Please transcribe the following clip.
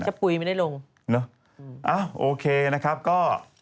ปุ๋ยไม่ได้ลงเนอะอ้าวโอเคนะครับก็